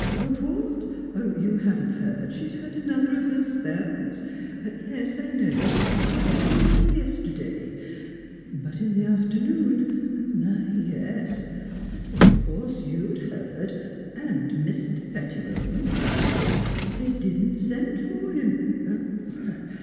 ...'' What! You haven't heard she 'd had another of her spells ? Yes, I know she was 'bout as usual yesterday; but in the after noon My, yes1 I thought of course you^d heard, and Mr. Pettibone. ... They didn't send for him?